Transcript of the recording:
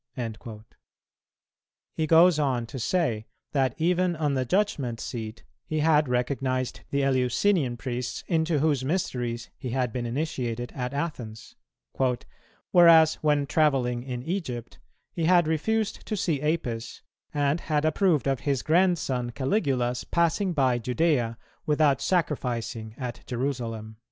"[216:2] He goes on to say that, even on the judgment seat, he had recognized the Eleusinian priests, into whose mysteries he had been initiated at Athens; "whereas, when travelling in Egypt, he had refused to see Apis, and had approved of his grandson Caligula's passing by Judæa without sacrificing at Jerusalem."